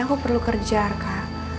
aku perlu kerja arka